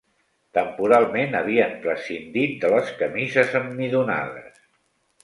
Temporalment, havien prescindit de les camises emmidonades